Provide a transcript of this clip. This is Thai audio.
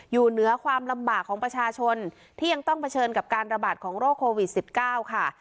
อยู่เหนือความลำบากของประชาชนที่ยังต้องเผชิญกับการระบาดของโรคโควิด๑๙ค่ะ